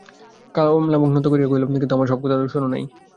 কমলা মুখ নত করিয়া কহিল, কিন্তু আমার সব কথা তো শোন নাই।